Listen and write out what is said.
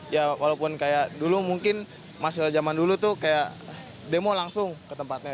ya walaupun kayak dulu mungkin masih zaman dulu tuh kayak demo langsung ke tempatnya